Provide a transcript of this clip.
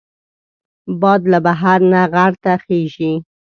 باد له بحر نه غر ته خېژي